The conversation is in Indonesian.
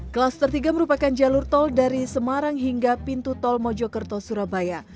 klaster tiga merupakan jalur tol dari semarang hingga pintu tol mojokerto surabaya